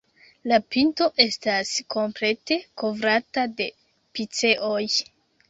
La pinto estas komplete kovrata de piceoj.